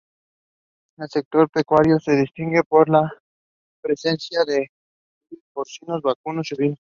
El sector pecuario se distingue por la presencia de caprinos, porcinos, vacunos y ovinos.